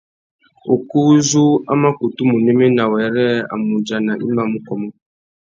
Ukú u zú a mà kutu mù néména wêrê a mù udjana i mà mù kômô.